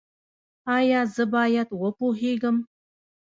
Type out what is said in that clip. ایا زه باید وپوهیږم؟